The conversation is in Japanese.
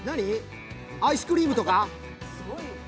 アイスクリームとか？